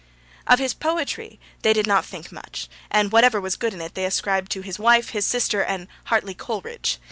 Of his poetry they did not think much, and whatever was good in it they ascribed to his wife, his sister, and Hartley Coleridge.